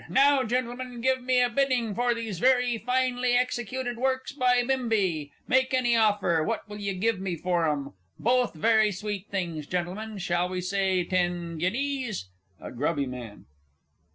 Now, Gentlemen, give me a bidding for these very finely executed works by Bimbi. Make any offer. What will you give me for 'em? Both very sweet things, Gentlemen. Shall we say ten guineas? A GRUBBY MAN.